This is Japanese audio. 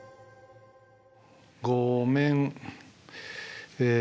「ごめん」え